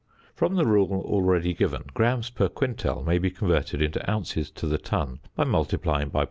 From the rule already given, grams per quintal may be converted into ounces to the ton by multiplying by 0.